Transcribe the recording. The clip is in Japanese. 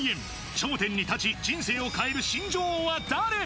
頂点に立ち、人生を変える新女王は誰？